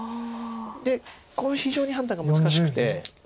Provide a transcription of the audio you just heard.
でここ非常に判断が難しくて。